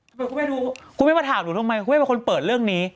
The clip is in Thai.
คุณแม่รู้คุณแม่มาถามหนูทำไมคุณแม่เป็นคนเปิดเรื่องนี้